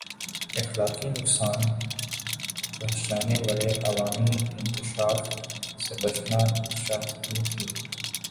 اخلاقی نقصان پہچانے والے عوامی انکشاف سے بچنا چاہتی تھِی